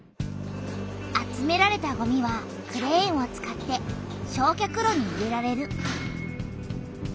集められたごみはクレーンを使って焼却炉に入れられる。